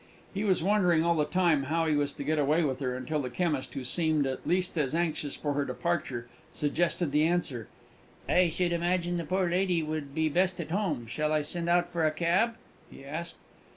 He was wondering all the time how he was to get away with her, until the chemist, who seemed at least as anxious for her departure, suggested the answer: "I should imagine the poor lady would be best at home. Shall I send out for a cab?" he asked.